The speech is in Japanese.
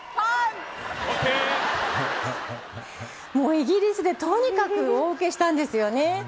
イギリスでとにかく大受けしたんですよね。